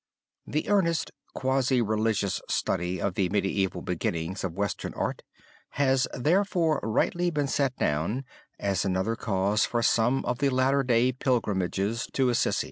The earnest quasi religious study of the medieval beginnings of western art has therefore rightly been set down as another cause for some of the latter day pilgrimages to Assisi.